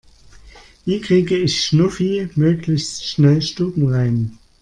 Wie kriege ich Schnuffi möglichst schnell stubenrein?